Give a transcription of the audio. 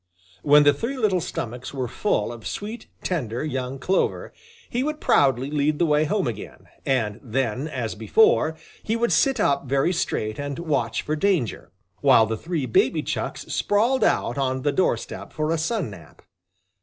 When the three little stomachs were full of sweet, tender, young clover, he would proudly lead the way home again, and then as before he would sit up very straight and watch for danger, while the three baby Chucks sprawledout on the doorstep for a sun nap.